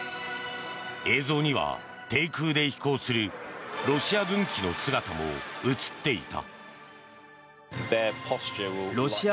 映像には低空で飛行するロシア軍機の姿も映っていた。